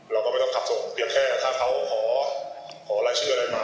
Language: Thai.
เราก็ไม่ต้องขับส่งเเบียแค่ถ้าเขาขอขอรายชื่ออะไรมา